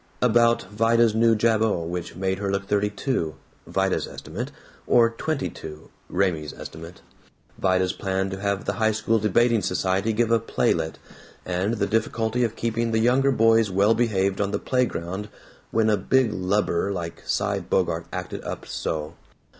About Vida's new jabot which made her look thirty two (Vida's estimate) or twenty two (Raymie's estimate), Vida's plan to have the high school Debating Society give a playlet, and the difficulty of keeping the younger boys well behaved on the playground when a big lubber like Cy Bogart acted up so.